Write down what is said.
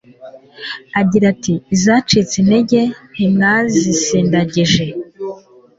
agira ati: "Izacitse intege ntimwazisindagije,